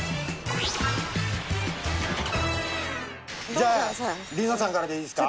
じゃ梨乃さんからでいいですか？